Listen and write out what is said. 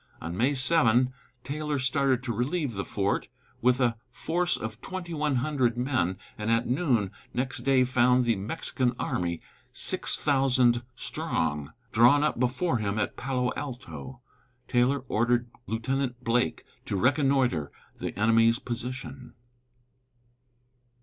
On May 7 Taylor started to relieve the fort, with a force of twenty one hundred men, and at noon next day found the Mexican army, six thousand strong, drawn up before him at Palo Alto. Taylor ordered Lieutenant Blake to reconnoitre the enemy's position.